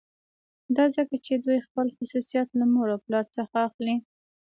دا ځکه چې دوی خپل خصوصیات له مور او پلار څخه اخلي